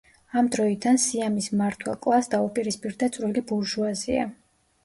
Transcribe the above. ამ დროიდან სიამის მმართველ კლასს დაუპირისპირდა წვრილი ბურჟუაზია.